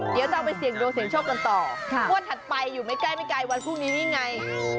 เดี๋ยวจะเอาไปเสี่ยงดวงเสียงโชคกันต่องวดถัดไปอยู่ไม่ใกล้ไม่ไกลวันพรุ่งนี้นี่ไง